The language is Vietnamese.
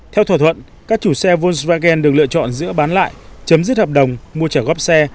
theo thỏa thuận các chủ xe volksven được lựa chọn giữa bán lại chấm dứt hợp đồng mua trả góp xe